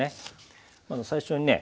最初にね